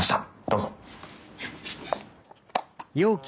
どうぞ。